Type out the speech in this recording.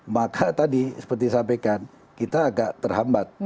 maka tadi seperti sampaikan kita agak terhambat